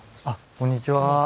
こんにちは。